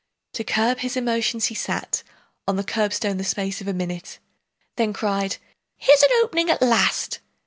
To curb his emotions, he sat On the curbstone the space of a minute, Then cried, "Here's an opening at last!"